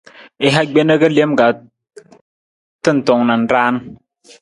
I ha gbena ka lem ka tantong na raan.